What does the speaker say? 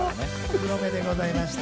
黒めでございました。